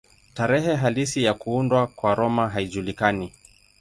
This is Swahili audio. Tarehe halisi ya kuundwa kwa Roma haijulikani.